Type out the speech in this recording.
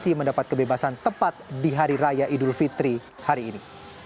masih mendapat kebebasan tepat di hari raya idul fitri hari ini